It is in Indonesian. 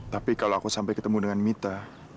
tapi kalau aku sampai ketemu dengan mita